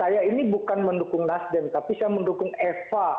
saya ini bukan mendukung nasdem tapi saya mendukung eva